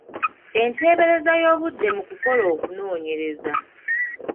Enteebereza y’obudde mu kukola okunoonyereza.